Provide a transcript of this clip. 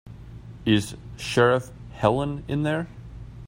Is Sheriff Helen in there?